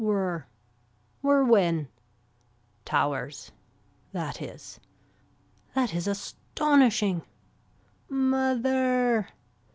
Were. Were when. Towers. That is. That is astonishing. Mother.